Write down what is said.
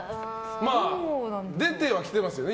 出てはきてますよね、